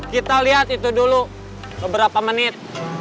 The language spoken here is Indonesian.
kita lihat itu dulu beberapa menit